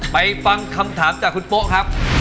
ฟังคำถามจากคุณโป๊ะครับ